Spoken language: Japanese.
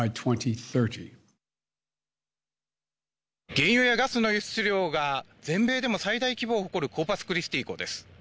原油やガスの輸出量が全米でも最大規模を誇るコーパスクリスティ港です。